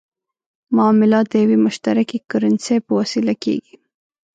معاملات د یوې مشترکې کرنسۍ په وسیله کېږي.